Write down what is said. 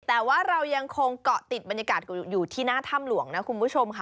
แต่ว่าเรายังคงเกาะติดบรรยากาศอยู่ที่หน้าถ้ำหลวงนะคุณผู้ชมค่ะ